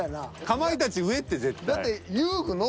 かまいたち上って絶対。